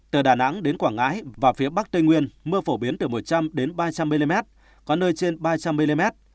từ đà nẵng đến quảng ngãi và phía bắc tây nguyên mưa phổ biến từ một trăm linh ba trăm linh mm có nơi trên ba trăm linh mm